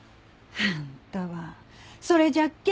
あんたはそれじゃっけん